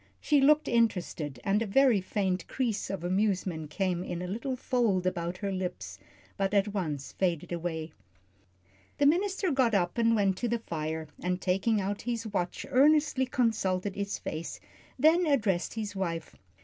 She looked interested, and a very faint crease of amusement came in a little fold about her lips, but at once faded away. The minister got up and went to the fire, and taking out his watch earnestly consulted its face, then addressed his wife.